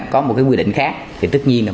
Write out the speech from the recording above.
có một cái quy định khác thì tất nhiên là